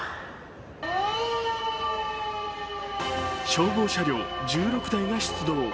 消防車両１６台が出動。